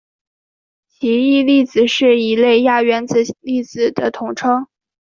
奇异粒子是一类亚原子粒子的统称。